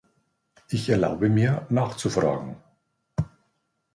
Ich erlaube mir, nachzufragen.